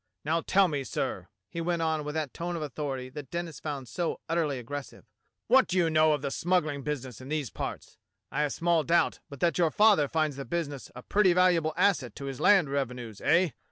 Now tell me, sir," he went on with that tone of authority that Denis found so ut terly aggressive, what do you know of the smuggling business in these parts? I have small doubt but that your father finds the business a pretty valuable asset to his land revenues, eh?